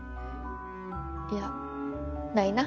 いやないな。